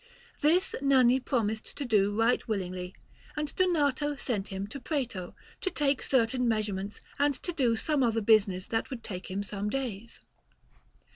This Nanni promised to do right willingly, and Donato sent him to Prato, to take certain measurements and to do some other business that would take him some days.